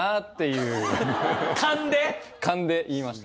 勘で言いました。